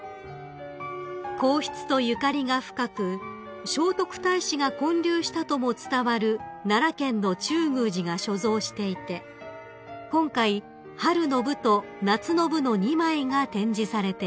［皇室とゆかりが深く聖徳太子が建立したとも伝わる奈良県の中宮寺が所蔵していて今回「春の部」と「夏の部」の２枚が展示されています］